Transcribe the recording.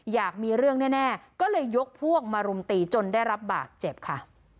อยากมีเรื่องแน่ก็เลยยกพวกมารุมตีจนได้รับบาดเจ็บค่ะ